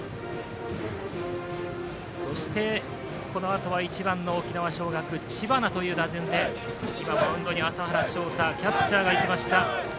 そして、このあとは１番の沖縄尚学、知花という打順で今、マウンドに麻原草太キャッチャーが行きました。